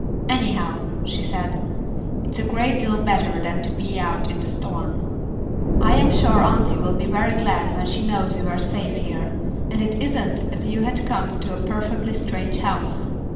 "Anyhow," she said, "it's a great deal better than to be out in the storm. I am sure auntie will be very glad when she knows we were safe here, and it isn't as if you had come to a perfectly strange house.